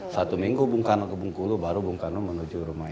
satu minggu bung karno ke bung kulu baru bung karno menuju rumah ini